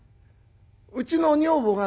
うちの女房がね